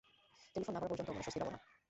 Telephone না-করা পর্যন্ত মনে স্বস্তি পাব না।